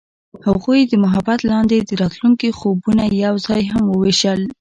هغوی د محبت لاندې د راتلونکي خوبونه یوځای هم وویشل.